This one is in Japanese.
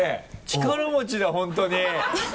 力持ちだ本当に。